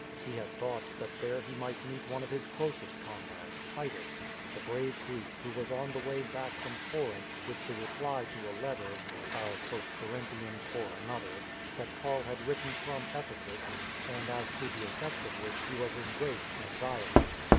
He had thought that there he might meet one of his closest comrades, Titus, the brave Greek who was on the way back from Corinth with the reply to a letter (our I Corin thians, or another) that Paul had written from Ephesus, and as to the effect of which he was in great anxiety.